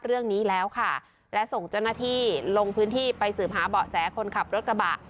เรื่องนี้แล้วค่ะและส่งเจ้าหน้าที่ลงพื้นที่ไปสืบหาเบาะแสคนขับรถกระบะ